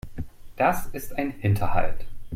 Das ist ein Hinterhalt.